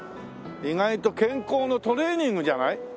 意外と健康のトレーニングじゃない？